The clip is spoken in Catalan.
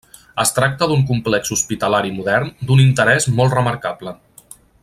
Es tracta d'un complex hospitalari modern d'un interès molt remarcable.